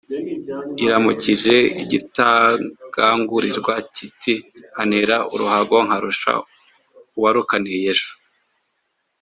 » Iramukije igitagangurirwa kiti «nkanira uruhago nkarusha uwarukaniye ejo